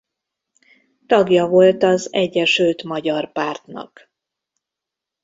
Tagja volt az Egyesült Magyar Pártnak.